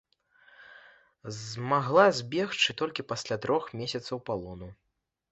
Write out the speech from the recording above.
Змагла збегчы толькі пасля трох месяцаў палону.